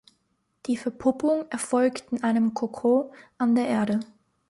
Die Verpuppung erfolgt in einem Kokon an der Erde.